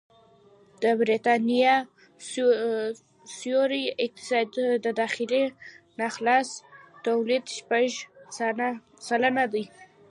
د بریتانیا سیوري اقتصاد د داخلي ناخالص توليد شپږ سلنه دی